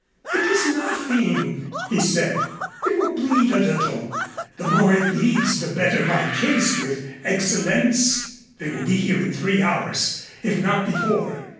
"It is nothing," he said. "It will bleed a little. The more it bleeds the better my case with Excellenz. They will be here in three hours, if not before.